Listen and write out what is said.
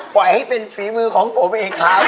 ปล่อยให้เป็นฝีมือของผมเองครับ